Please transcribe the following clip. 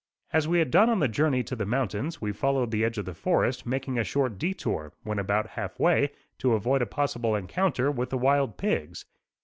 As we had done on the journey to the mountains, we followed the edge of the forest making a short detour, when about half way, to avoid a possible encounter with the wild pigs.